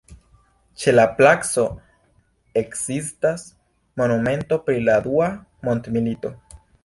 Ĉe la placo ekzistas monumento pri la Dua Mondmilito.